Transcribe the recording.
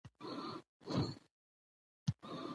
دښتې د افغانستان د هیوادوالو لپاره ویاړ دی.